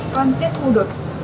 con tiếp thu được